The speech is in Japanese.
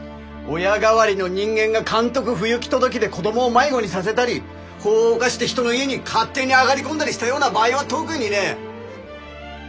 親代わりの人間が監督不行き届きで子どもを迷子にさせたり法を犯して人の家に勝手に上がり込んだりしたような場合は特にね。